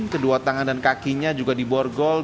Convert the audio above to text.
kedua tangan dan kakinya juga diborgol